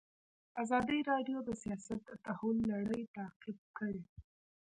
ازادي راډیو د سیاست د تحول لړۍ تعقیب کړې.